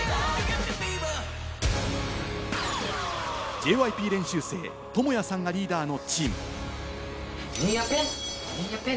ＪＹＰ練習生・トモヤさんがリーダーのチーム。